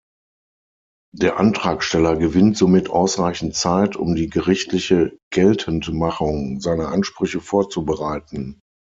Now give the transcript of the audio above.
Der Antragsteller gewinnt somit ausreichend Zeit, um die gerichtliche Geltendmachung seiner Ansprüche vorzubereiten.